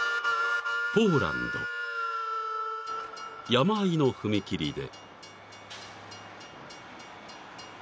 ［山あいの踏切で］